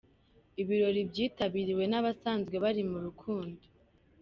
Ibirori byitabiriwe n’abasanzwe bari mu rukundo